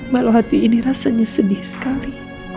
malam hati ini rasanya sedih sekali